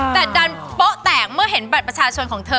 แต่ดันโป๊ะแตกเมื่อเห็นบัตรประชาชนของเธอ